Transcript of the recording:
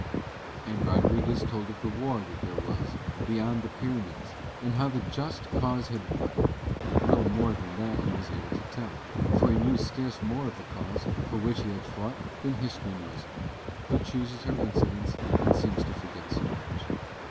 And Rodriguez told of the war that there was beyond the Pyrenees and how the just cause had won, but little more than that he was able to tell, for he knew scarce more of the cause for which he had fought than History knows of it, who chooses her incidents and seems to forget so much.